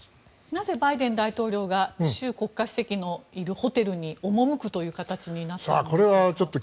なぜバイデン大統領が習国家主席のいるホテルに赴くという形になったんでしょうか？